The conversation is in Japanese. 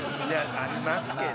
ありますけど。